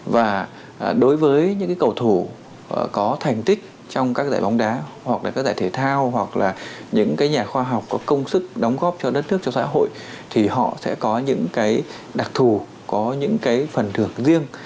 và đối với những cái cầu thủ có thành tích trong các giải bóng đá hoặc là các giải thể thao hoặc là những cái nhà khoa học có công sức đóng góp cho đất nước cho xã hội thì họ sẽ có những cái đặc thù có những cái phần thưởng riêng